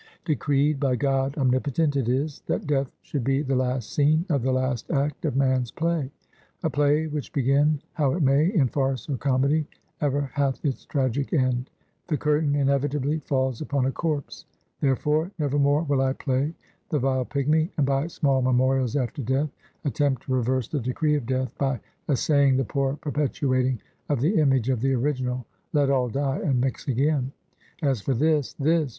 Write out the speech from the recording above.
Decreed by God Omnipotent it is, that Death should be the last scene of the last act of man's play; a play, which begin how it may, in farce or comedy, ever hath its tragic end; the curtain inevitably falls upon a corpse. Therefore, never more will I play the vile pigmy, and by small memorials after death, attempt to reverse the decree of death, by essaying the poor perpetuating of the image of the original. Let all die, and mix again! As for this this!